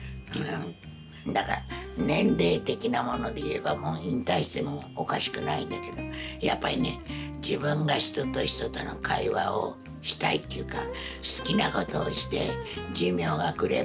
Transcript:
だから年齢的なものでいえばもう引退してもおかしくないんだけどやっぱりね自分が人と人との会話をしたいっていうか好きなことをして寿命がくれば逝きます。